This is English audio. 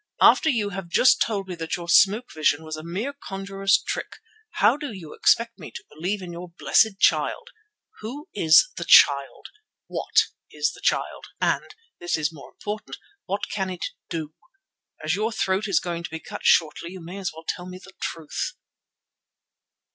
"After you have just told me that your smoke vision was a mere conjurer's trick, how do you expect me to believe in your blessed Child? Who is the Child? What is the Child, and—this is more important—what can it do? As your throat is going to be cut shortly you may as well tell me the truth."